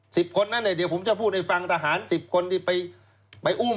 สิบคนนั้นเดี๋ยวผมจะพูดในฝั่งตาหารสิบคนที่ไปอุ้ม